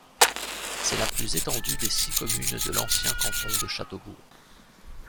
C'est la plus étendue des six communes de l'ancien canton de Châteaubourg.